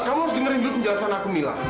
kamu harus dengerin dulu penjelasan aku mila